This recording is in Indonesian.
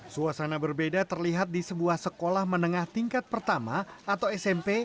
suasana berbeda terlihat di sebuah sekolah menengah tingkat pertama atau smp